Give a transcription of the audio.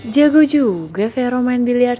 jago juga vero main billiardnya